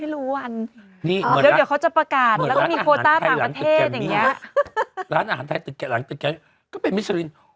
ร้านอาหารไทยหลังตึกแก๊ก็เป็นมิสเซริน